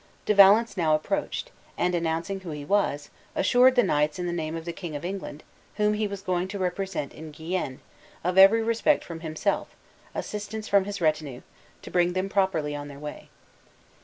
De Valence now approached, and announcing who he was, assured the knights in the name of the King of England, whom he was going to represent in Guienne, of every respect from himself, assistance from his retinue, to bring them properly on their way.